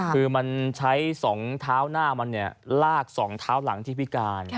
คือมันใช้สองเท้าหน้ามันเนี่ยลากสองเท้าหลังที่พี่การ